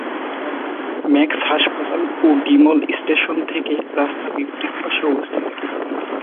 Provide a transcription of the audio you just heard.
Max হাসপাতাল এবং D Mall station থেকে রাস্তা বিপরীত পাশে অবস্থিত।